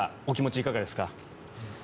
お気持ち、いかがですか？